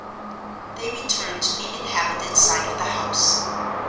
They returned to the inhabited side of the house.